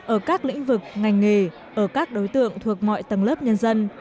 ở các lĩnh vực ngành nghề ở các đối tượng thuộc mọi tầng lớp nhân dân